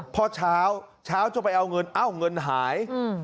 พอเช้าเช้าจะไปเอาเงินเอ้าเงินหาย